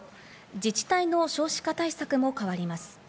自治体の少子化対策も変わります。